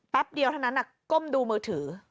เดียวเท่านั้นก้มดูมือถือ